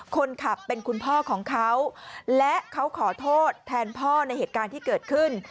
คนขับเป็นคุณพ่อของเขาและเขาขอโทษแทนพ่อในเหตุการณ์ที่เกิดขึ้น